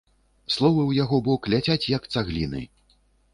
Словы ў яго бок ляцяць як цагліны.